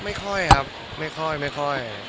ไม่ค่อยครับไม่ค่อยไม่ค่อย